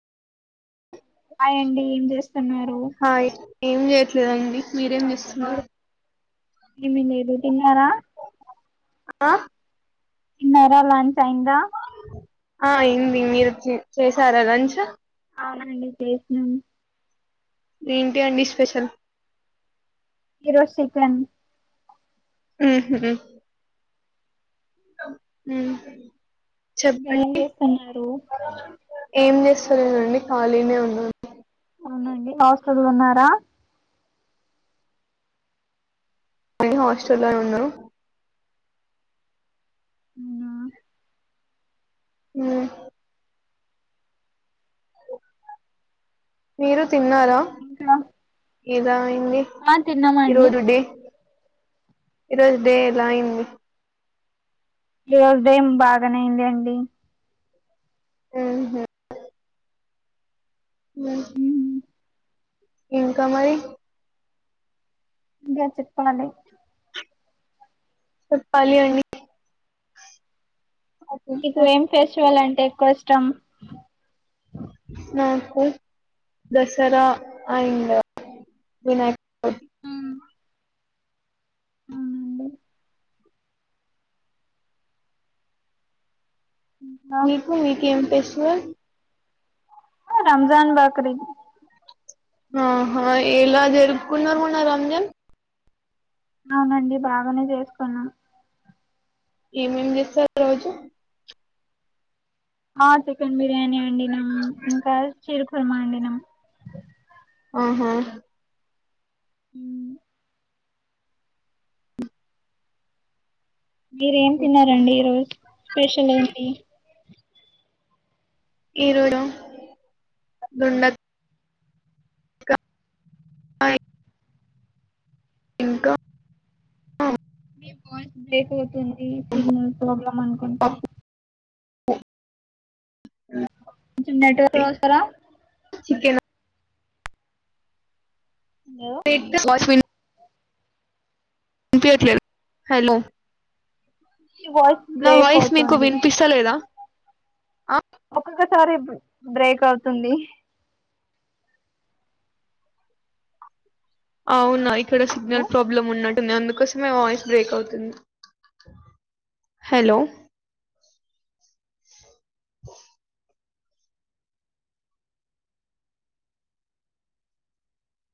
Hi అండి ఏం చేస్తున్నారు హాయ్ ఏం చేయట్లేదండి మీరేం చేస్తున్నారు ఏమిలేదు తిన్నారా ఆ తిన్నారా లంచ్ అయిందా ఆ అయింది మీరు చే చేసారా లంచ్ అవునండి చేసాను ఏంటి అండి స్పెషల్ ఈ రోజు శికన్ ఉమ్ హు హా ఏం చేస్తున్నారు ఏం చేస్తలేనండి ఖాళీనే ఉన్నాను అవునండి హాస్టల్లో ఉన్నారా అండి హాస్టల్ల్లోనే ఉన్నా ఆ ఆ మీరు తిన్నారా ఇంకా ఏదా అండి ఆ తిన్నామండి ఇరుదు డే ఇరోజ డే లైన్ రోజ డేమ్ బాగానేయింది అండి ఆ ఉ మ్మ్. ఇంకా మరి ఇంకా చెప్పాలండి సప్పాలి అండి మీకు ఏం ఫెస్టివల్ అంట ఎక్కువ ఇష్టం ఆ దసరా అండ్ వినాయక్ మ్మ్. అవునండి ఇంకా మీకు మీకేం ట్విస్ట్ చే రంజాన్ బక్రీద్ ఆ హఎలా జరుపుకున్నారు మొన్నా రంజాన్ అవునండి బాగానే చేసుకున్నాం ఏమేం చేస్తారు రోజు ఆ చెకండ్ మీ బిర్యానీ వండినాం ఇంకా ఖీర్ కుర్మ వండినాం ఆహా హ మీరేం ఏం ఓకే తిన్నారండి ఈరోజు స్పెషల్ ఏంటి ఈరోడంమ్ అట్ల ఉండద్ అయి ఇంకా మీ వాయిస్ బ్రేక్ అవుతుంది సిగ్నల్ ప్రాబ్లమ్ అనుకుంటా పప్పు కొంచం నెట్ చూస్తరా చికెన్ హలో వయస్ విన్ వినిపియట్ లేదుహలో మీ వాయిస్ నా బ్రేక్ వైస్ మీకు వినిపిస్తలేదా ఆ ఒక సారి బ్రేక్ అవుతుంది అవునా ఈ క్కడ సిగ్నల్ ప్రాబ్లమ్ ఉన్నాట్ ఉన్నందుకు అందుకోసం వాయిస్ బ్రేక్ అవుతుంది హలో